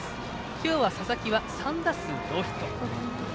今日は佐々木は３打数ノーヒット。